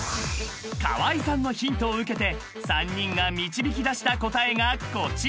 ［川合さんのヒントを受けて３人が導き出した答えがこちら］